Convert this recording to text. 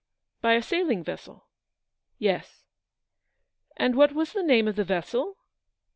" By a sailing vessel ?"" Yes/' " And what was the name of the vessel